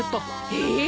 えっ！